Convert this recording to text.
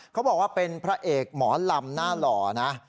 เขาบอกว่าเป็นพระเอกหมอลำหน้าหล่อนะ